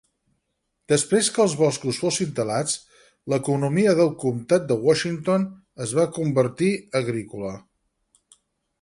Després que els boscos fossin talats, l'economia del Comtat de Washington es va convertir agrícola.